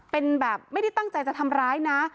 เป็นแบบไม่ได้ตั้งใจจะทำร้ายนะ